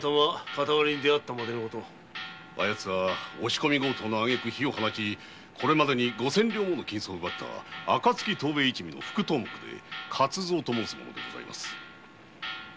あ奴は押し込み強盗のあげく放火しこれまで五千両奪った「暁一味」の副頭目で勝蔵と申す者でございます。